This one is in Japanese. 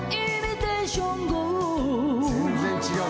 全然違う。